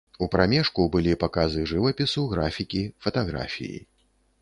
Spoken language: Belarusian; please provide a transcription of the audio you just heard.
У прамежку былі паказы жывапісу, графікі, фатаграфіі.